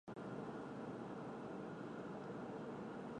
这两个伽玛射线泡外观是互相镜像对称。